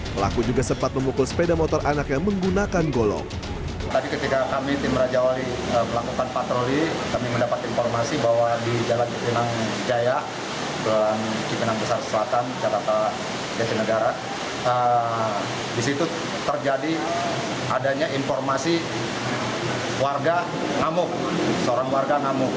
pelaku juga sempat memukul sepeda motor anak yang menggunakan golong